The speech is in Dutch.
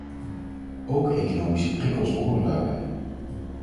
Ook economische prikkels horen daarbij.